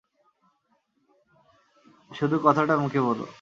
শুধু কথাটা মুখে বলো।